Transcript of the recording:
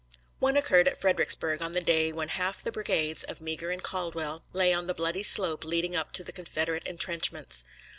One occurred at Fredericksburg on the day when half the brigades of Meagher and Caldwell lay on the bloody slope leading up to the Confederate entrenchments.